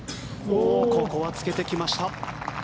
ここはつけてきました。